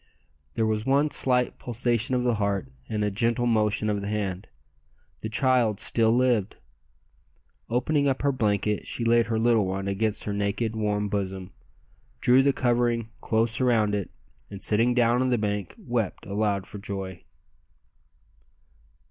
There was one slight pulsation of the heart and a gentle motion of the hand! The child still lived. Opening up her blanket she laid her little one against her naked, warm bosom, drew the covering close around it, and sitting down on the bank wept aloud for joy.